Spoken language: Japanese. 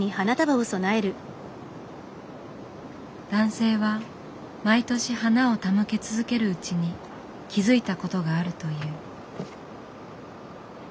男性は毎年花を手向け続けるうちに気付いたことがあるという。